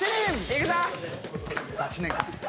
いくぞ。